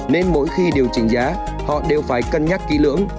nên mỗi khi điều chỉnh giá họ đều phải cân nhắc kỹ lưỡng